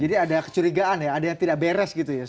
jadi ada kecurigaan ya ada yang tidak beres gitu ya